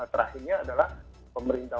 terakhirnya adalah pemerintah